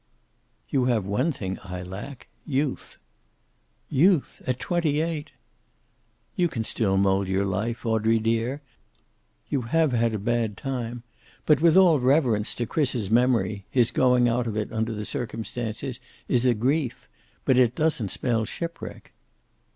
"You have one thing I lack. Youth." "Youth! At twenty eight!" "You can still mold your life, Audrey dear. You have had a bad time, but with all reverence to Chris's memory his going out of it, under the circumstances, is a grief. But it doesn't spell shipwreck."